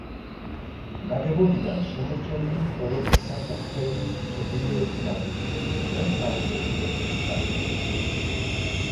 ნაგებობიდან შემორჩენილი მხოლოდ საკურთხევლის ჩრდილოეთი ნაწილი და სამხრეთი კედლის ფრაგმენტი.